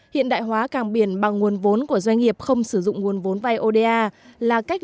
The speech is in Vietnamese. hiện đại hóa càng biển bằng nguồn vốn của doanh nghiệp không sử dụng nguồn vốn vai oda là cách